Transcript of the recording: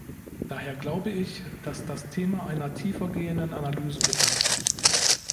Daher glaube ich, dass das Thema einer tiefergehenden Analyse bedarf.